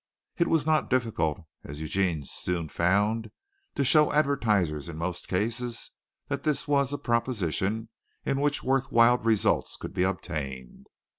It was not difficult, as Eugene soon found, to show advertisers in most cases that this was a proposition in which worth while results could be obtained.